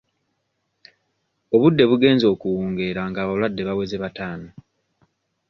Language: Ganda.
Obudde bugenze okuwungeera ng'abalwadde baweze bataano.